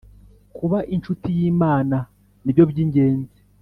Kuba incuti y ‘Imana ni byo by ‘ingenzi .